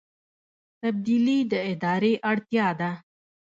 تبدیلي د ادارې اړتیا ده